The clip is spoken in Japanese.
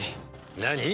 何！？